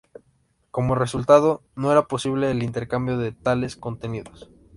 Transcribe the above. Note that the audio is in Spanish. Como resultado, no era posible el intercambio de tales contenidos.